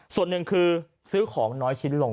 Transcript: ส่วนหนึ่งคือซื้อของน้อยชิ้นลง